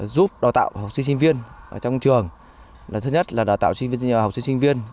giúp đào tạo học sinh sinh viên trong trường thứ nhất là đào tạo học sinh sinh viên